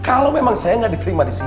kalau memang saya gak diklimat disini